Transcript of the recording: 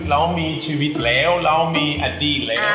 เรามีชีวิตแล้วเรามีอดีตแล้ว